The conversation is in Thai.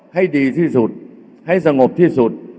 ให้ดีที่สุดให้สงบที่สุด